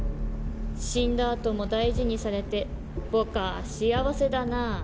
死んだ後も大事にされてぼかぁ幸せだなぁ」。